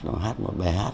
hoặc hát một bài hát